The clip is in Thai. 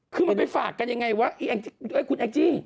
คือมันไปฝากกันยังไงวะคุณแองจี้